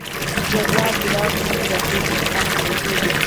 جګړه عقده او کینه پیدا کوي او انتقام اخیستل کیږي